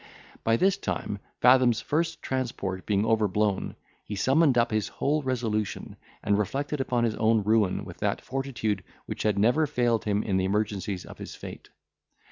By this time, Fathom's first transport being overblown, he summoned up his whole resolution, and reflected upon his own ruin with that fortitude which had never failed him in the emergencies of his fate.